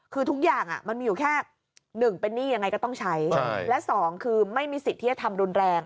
คือทุกอย่างมันมีอยู่แค่๑เป็นหนี้ยังไงก็ต้องใช้และสองคือไม่มีสิทธิ์ที่จะทำรุนแรง